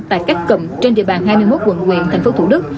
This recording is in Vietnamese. tại các cầm trên địa bàn hai mươi một quận huyện tp thủ đức